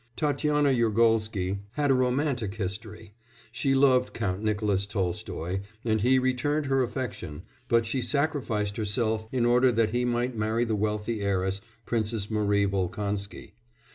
Tatiana Yergolsky had a romantic history; she loved Count Nicolas Tolstoy, and he returned her affection, but she sacrificed herself in order that he might marry the wealthy heiress, Princess Marie Volkonsky.